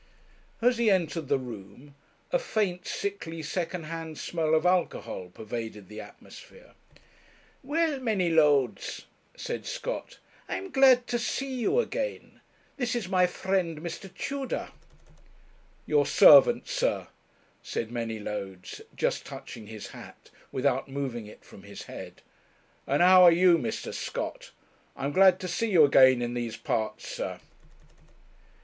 As he entered the room, a faint, sickly, second hand smell of alcohol pervaded the atmosphere. 'Well, Manylodes,' said Scott, 'I'm glad to see you again. This is my friend, Mr. Tudor.' 'Your servant, sir,' said Manylodes, just touching his hat, without moving it from his head. 'And how are you, Mr. Scott? I am glad to see you again in these parts, sir.'